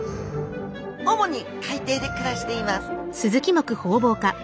主に海底で暮らしています